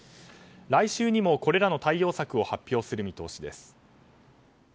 来週にもこれらの対応策を発表する見通しです。